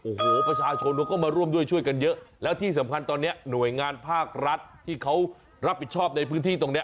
โอโหประชาชนก็มาร่วมด้วยช่วยกันเยอะแล้วที่สำคัญตอนเนี้ยหน่วยงานภาครัฐที่เขารับประสบความบริษฐีภาคในพื้นที่ตรงเนี้ย